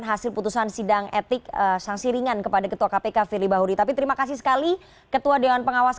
kalau pak febri mengatakan tidak ada masalah dengan dewan pengawas